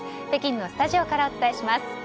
北京のスタジオからお伝えします。